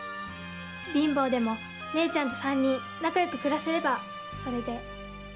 貧乏でも姉ちゃんと三人仲よく暮らせればそれで。